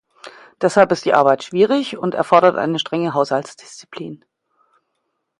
Deshalb ist die Arbeit schwierig und erfordert eine strenge Haushaltsdisziplin.